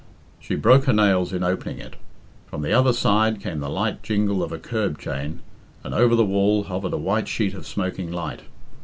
She broke her nails in opening it. From the other side came the light jingle of a curb chain, and over the wall hovered a white sheet of smoking light.